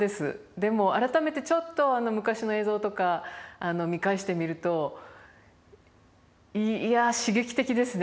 でも改めてちょっと昔の映像とか見返してみるといや刺激的ですね。